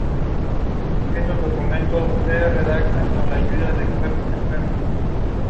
The video featured Yong Yong the iguana.